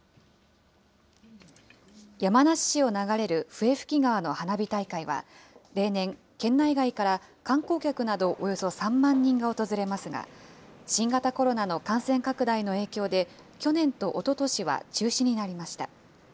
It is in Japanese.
山梨市を流れる笛吹川の花火大会は、例年、県内外から観光客などおよそ３万人が訪れますが、新型コロナの感染拡大の影響で、去年とおととしは中止になりました。